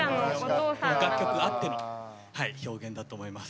この楽曲あってのはい表現だと思います。